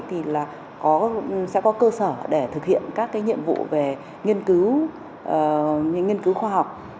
thì sẽ có cơ sở để thực hiện các nhiệm vụ về nghiên cứu khoa học